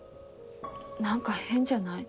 なんか変じゃない？